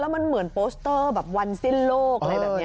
มันเหมือนโปสเตอร์แบบวันสิ้นโลกอะไรแบบนี้